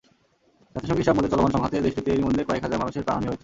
জাতিসংঘের হিসাবমতে, চলমান সংঘাতে দেশটিতে এরই মধ্যে কয়েক হাজার মানুষের প্রাণহানি হয়েছে।